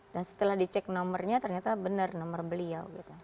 dan setelah dicek nomernya ternyata benar nomor beliau gitu